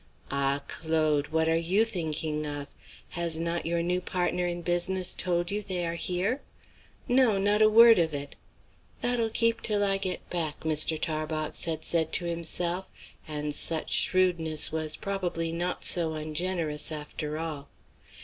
Ah, Claude! what are you thinking of? Has not your new partner in business told you they are here? No, not a word of it. "That'll keep till I get back," Mr. Tarbox had said to himself; and such shrewdness was probably not so ungenerous, after all.